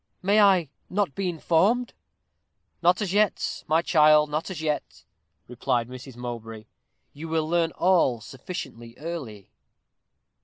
"May I not be informed?" "Not as yet, my child not as yet," replied Mrs. Mowbray. "You will learn all sufficiently early."